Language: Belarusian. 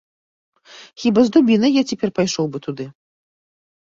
Хіба з дубінай я цяпер пайшоў бы туды.